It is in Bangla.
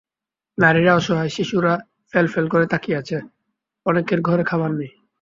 নারীরা অসহায়, শিশুরা ফ্যালফ্যাল করে তাকিয়ে আছে, অনেকের ঘরে খাবার নেই।